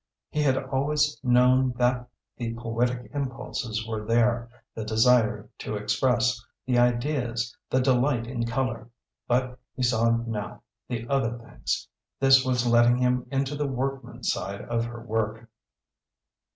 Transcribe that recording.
He had always known that the poetic impulses were there, the desire to express, the ideas, the delight in colour, but he saw now the other things; this was letting him into the workman's side of her work.